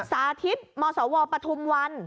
สาธิตมศวปฐุมวัน